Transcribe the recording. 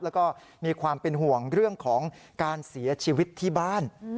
แล้วก็มีความเป็นห่วงเรื่องของการเสียชีวิตที่บ้าน